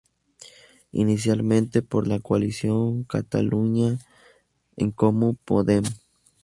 Inicialmente por la coalición Catalunya en Comú-Podem.